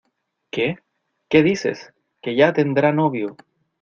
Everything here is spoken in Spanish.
¿Qué? ¿Qué dices? que ya tendrá novio.